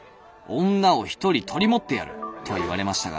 『女を一人取り持ってやる』と言われましたが」。